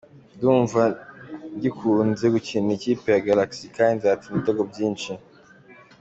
Ndumva ngikunze gukinira ikipe ya Galaxy kandi nzatsinda ibitego byinshi.